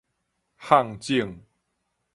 胮腫